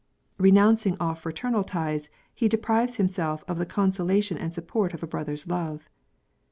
Renouncing all fraternal ties, he deprives himself of the consolation and support of a brother's love.